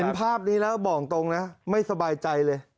ภาพนี้แล้วบอกตรงนะไม่สบายใจเลย